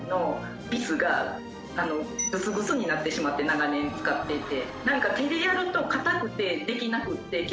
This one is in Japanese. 長年使っていて。